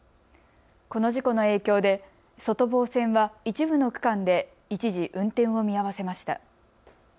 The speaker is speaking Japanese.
この事故の影響で外房線は一部の区間で一時運転を見合わせました。